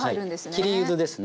切り柚子ですね。